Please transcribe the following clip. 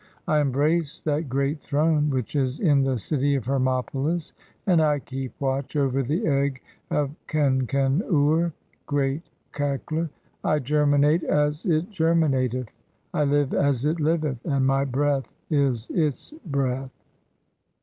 I embrace that great throne (3) "which is in the city of Hermopolis, and I keep watch over the "egg of Kenken ur (i. e., Great Cackler) ; I germinate as it "germinateth ; (4) I live as it liveth ; and [my] breath is [its] "breath."